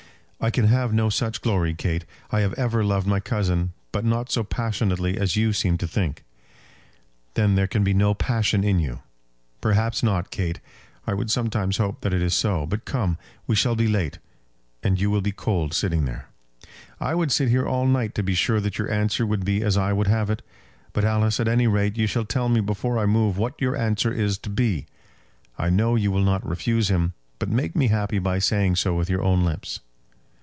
"I can have no such glory, Kate. I have ever loved my cousin; but not so passionately as you seem to think." "Then there can be no passion in you." "Perhaps not, Kate. I would sometimes hope that it is so. But come; we shall be late; and you will be cold sitting there." "I would sit here all night to be sure that your answer would be as I would have it. But, Alice, at any rate you shall tell me before I move what your answer is to be. I know you will not refuse him; but make me happy by saying so with your own lips."